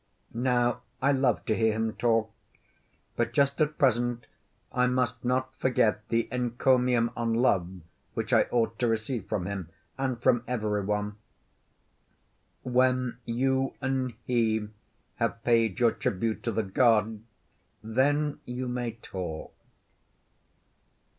Now I love to hear him talk; but just at present I must not forget the encomium on Love which I ought to receive from him and from every one. When you and he have paid your tribute to the god, then you may talk.